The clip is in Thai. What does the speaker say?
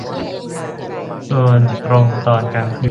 ส่วนตรงตอนกลางคืน